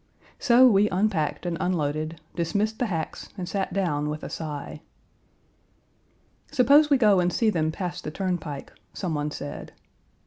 So we unpacked and unloaded, dismissed the hacks and sat down with a sigh. "Suppose we go and see them pass the turnpike," some one said.